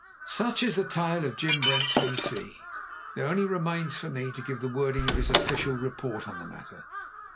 Such is the tale of Jim Brent's V.C. There only remains for me to give the wording of his official re^ port on the matter.